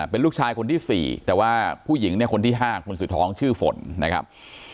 เป็นลูกชายคนที่๔แต่ว่าผู้หญิงเนี่ยคนที่๕คนสุดท้องชื่อฝนนะครับ